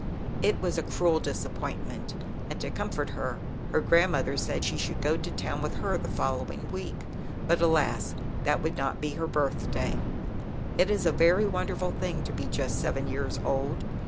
It was a cruel disappointment, and to comfort her, her grandmother said she should go to town with her the follow ing week, but, alas, that would not on her birthday. It is a very wonderful thing to be just seven years old.